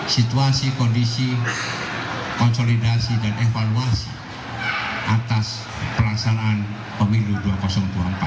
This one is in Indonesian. situasi kondisi konsolidasi dan evaluasi atas pelaksanaan pemilu dua ribu dua puluh empat